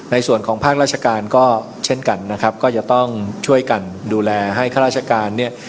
ในส่วนของภาคราชการก็เช่นกันนะครับก็จะต้องช่วยกันดูแลให้ข้าราชการเนี่ย